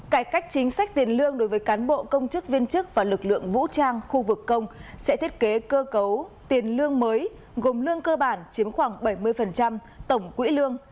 cải cách chính sách tiền lương đối với cán bộ công chức viên chức và lực lượng vũ trang khu vực công sẽ thiết kế cơ cấu tiền lương mới gồm lương cơ bản chiếm khoảng bảy mươi tổng quỹ lương